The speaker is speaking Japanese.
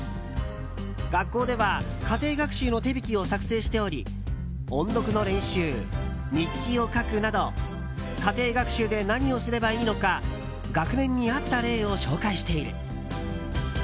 学校では家庭学習の手引きを作成しており音読の練習、日記を書くなど家庭学習で何をすればいいのか学年に合った例を紹介している。